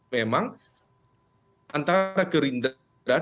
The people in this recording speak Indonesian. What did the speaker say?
memang antara gerindak